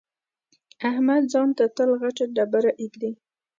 احمد ځان ته تل غټه ډبره اېږدي.